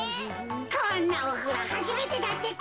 こんなおふろはじめてだってか。